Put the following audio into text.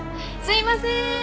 すいませーん！